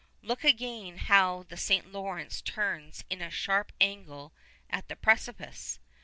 Look again how the St. Lawrence turns in a sharp angle at the precipice.